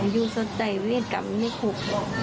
อยู่สนใจไม่เรียกกลับไม่คุก